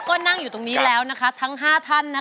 ก็นั่งอยู่ตรงนี้แล้วนะคะทั้ง๕ท่าน